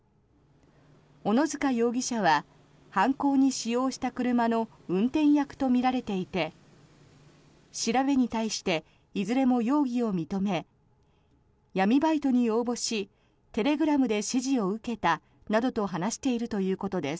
小野塚容疑者は犯行に使用した車の運転役とみられていて調べに対していずれも容疑を認め闇バイトに応募しテレグラムで指示を受けたなどと話しているということです。